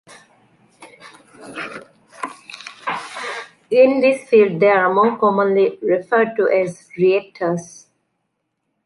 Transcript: In this field, they are more commonly referred to as reactors.